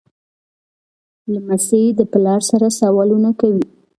لمسی د پلار سره سوالونه کوي.